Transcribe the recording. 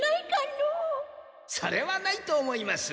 それはないと思います。